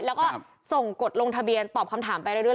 แล้วก็ส่งกดลงทะเบียนตอบคำถามไปเรื่อย